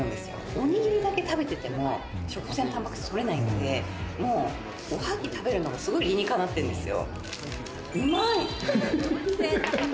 おにぎりだけ食べてても植物性は取れないので、おはぎ食べるのが理にかなってるんですよ。